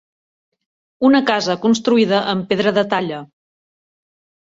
Una casa construïda amb pedra de talla.